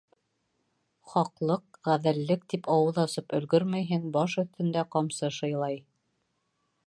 Хаҡлыҡ, ғәҙеллек, тип ауыҙ асып өлгөрмәйһең, баш өҫтөндә ҡамсы шыйлай.